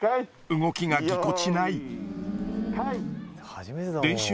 動きがぎこちない。